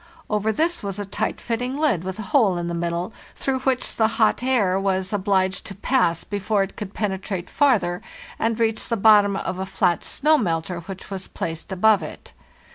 Over this was a tight fitting lid with a hole in the middle, through which the hot air was WHE MAKE A START 12! obliged to pass before it could penetrate farther and reach the bottom of a flat snow melter, which was placed above it.